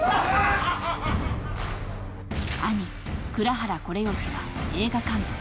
［兄蔵原惟繕は映画監督］